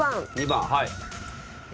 ２番はい。